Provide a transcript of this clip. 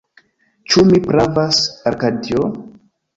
Ĉu mi pravas, Arkadio?